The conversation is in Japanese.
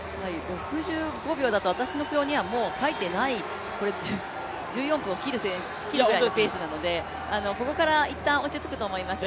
６５秒だと私の表には書いていない１４分を切るぐらいのペースなのでここからいったん落ち着くと思いますよ。